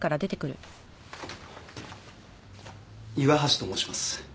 岩橋と申します。